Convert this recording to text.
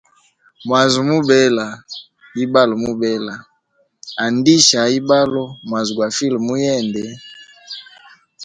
Mwazi mubela, ibalo mubela, andisha ibalo, mwazi gwa file muyende.